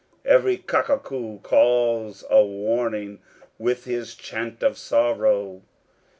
Every cuckoo calls a warning, with his chant of sorrow!